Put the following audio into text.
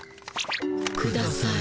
ください。